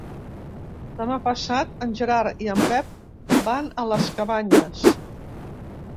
Demà passat en Gerard i en Pep van a les Cabanyes.